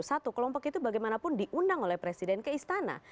satu kelompok itu bagaimanapun diundang oleh presiden ke istana